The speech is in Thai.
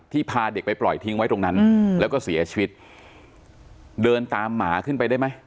พาเด็กไปปล่อยทิ้งไว้ตรงนั้นแล้วก็เสียชีวิตเดินตามหมาขึ้นไปได้ไหม